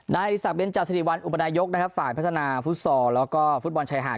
นายสักเน้นจาสิริวัลอุปนายกนะครับฝ่ายพัฒนาฟุตซอลแล้วก็ฟุตบอลชายหาด